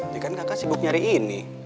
ini kan kakak sibuk nyari ini